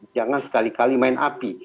jangan sekali kali main api